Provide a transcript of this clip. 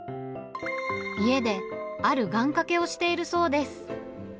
家である願掛けをしているそうです。